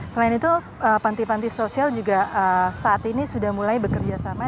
selain itu panti panti sosial juga saat ini sudah mulai bekerja sama